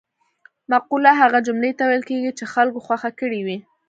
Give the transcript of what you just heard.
مقوله هغه جملې ته ویل کیږي چې خلکو خوښه کړې وي